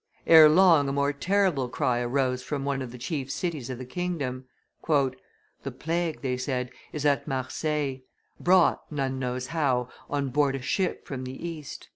Ere long a more terrible cry arose from one of the chief cities of the kingdom. "The plague," they said, "is at Marseilles, brought, none knows how, on board a ship from the East."